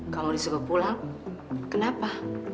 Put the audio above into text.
kamu disuka pulang kenapa